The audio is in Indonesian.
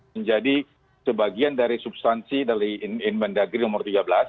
menjadi sebagian dari substansi dari inbandagri nomor tiga belas